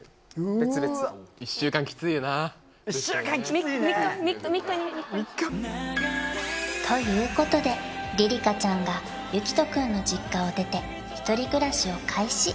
別々１週間きついよな３日３日にしよ３日？ということでりりかちゃんがゆきとくんの実家を出て一人暮らしを開始！